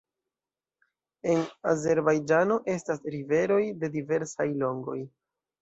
En Azerbajĝano estas riveroj de diversaj longoj.